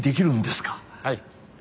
はい。